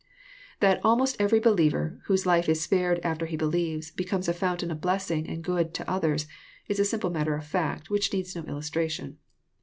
That almost 'every believer, whose life is spared after he believes, becomes a fountain of blessing and good to others, is a simple matter of fact, which needs no Illustration.